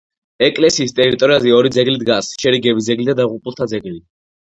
ეკლესიის ტერიტორიაზე ორი ძეგლი დგას: შერიგების ძეგლი და დაღუპულთა ძეგლი.